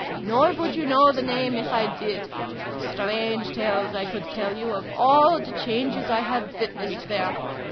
" Nor would you know the name if I did. Strange tales I could tell you of all the changes I have witnessed there